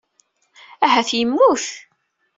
Ahat yemmut.